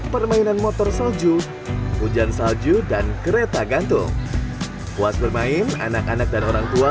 permainan motor salju hujan salju dan kereta gantung puas bermain anak anak dan orang tua